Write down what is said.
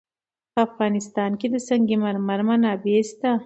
په افغانستان کې د سنگ مرمر منابع شته.